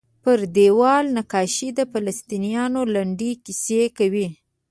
پر دیوال نقاشۍ د فلسطینیانو لنډې کیسې کوي.